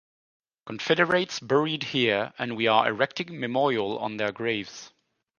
Confederates buried here and we are erecting memorial on their graves.